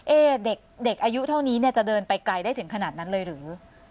เด็กอายุเท่านี้เนี่ยจะเดินไปไกลได้ถึงขนาดนั้นเลยหรือ